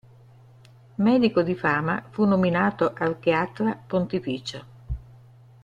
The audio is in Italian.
Medico di fama, fu nominato archiatra pontificio.